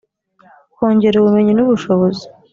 kongera ubumenyi n ubushobozi